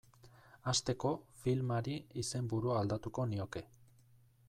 Hasteko, filmari izenburua aldatuko nioke.